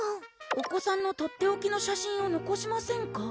「お子さんのとっておきの写真をのこしませんか」